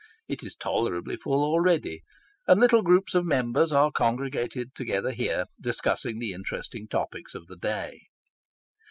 It is tolerably full already, and little groups of Members are congregated together here, discussing the interesting topics of the day.